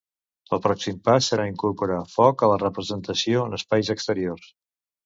El pròxim pas serà incorporar foc a la representació en espais exteriors.